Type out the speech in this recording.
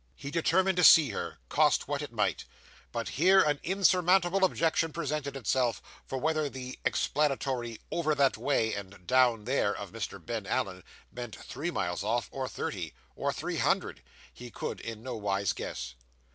He determined to see her, cost what it might; but here an insurmountable objection presented itself, for whether the explanatory 'over that way,' and 'down there,' of Mr. Ben Allen, meant three miles off, or thirty, or three hundred, he could in no wise guess.